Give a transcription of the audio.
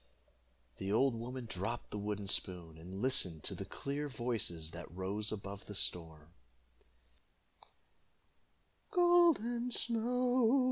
The old woman dropped the wooden spoon, and listened to the clear voices that rose above the storm: "Golden Snow!